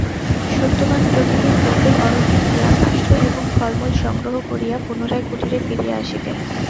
সত্যবান প্রতিদিন গভীর অরণ্যে গিয়া কাষ্ঠ এবং ফলমূল সংগ্রহ করিয়া পুনরায় কুটীরে ফিরিয়া আসিতেন।